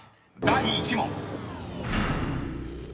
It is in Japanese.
第１問］